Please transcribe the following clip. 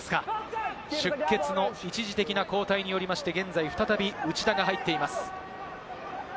出血の一時的な交代によりまして、現在、再び内田が入っています。